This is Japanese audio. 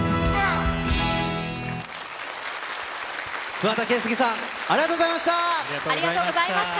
桑田佳祐さん、ありがとうございました。